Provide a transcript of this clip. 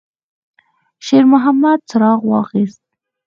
شېرمحمد څراغ واخیست.